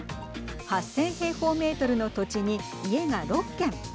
８０００平方メートルの土地に家が６軒。